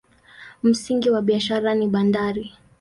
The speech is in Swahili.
Msingi wa biashara ni bandari.